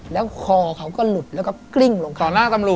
แล้วคอเขาก็หลุดแล้วก็กลิ้งลงเข้า